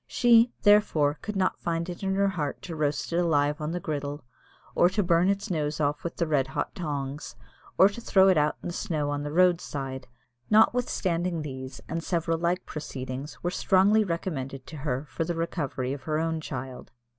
She, therefore, could not find it in her heart to roast it alive on the griddle, or to burn its nose off with the red hot tongs, or to throw it out in the snow on the road side, notwithstanding these, and several like proceedings, were strongly recommended to her for the recovery of her child.